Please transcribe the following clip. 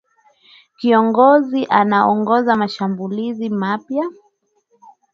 Kiongozi anaongoza mashambulizi mapya